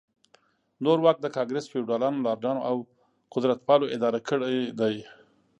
نور واک د ګانګرس فیوډالانو، لارډانو او قدرتپالو اداره کړی دی.